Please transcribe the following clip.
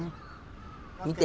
見て。